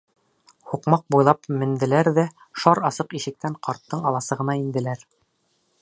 Һуҡмаҡ буйлап менделәр ҙә шар асыҡ ишектән ҡарттың аласығына инделәр.